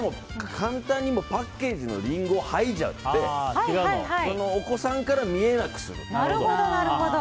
簡単に、パッケージのリンゴを剥いじゃってお子さんから見えなくする。